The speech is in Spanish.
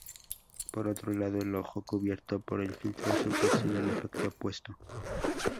Por otro lado, el ojo cubierto por el filtro azul percibe el efecto opuesto.